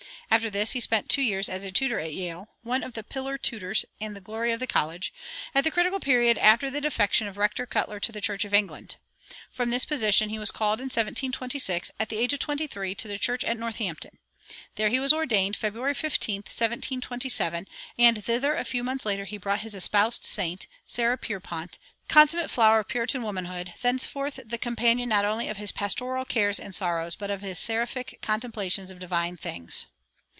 [156:1] After this he spent two years as tutor at Yale, "one of the pillar tutors, and the glory of the college," at the critical period after the defection of Rector Cutler to the Church of England.[156:2] From this position he was called in 1726, at the age of twenty three, to the church at Northampton. There he was ordained February 15, 1727, and thither a few months later he brought his "espousèd saint," Sarah Pierpont, consummate flower of Puritan womanhood, thenceforth the companion not only of his pastoral cares and sorrows, but of his seraphic contemplations of divine things.